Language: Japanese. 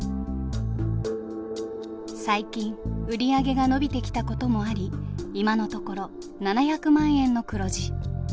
最近売り上げが伸びてきたこともあり今のところ７００万円の黒字。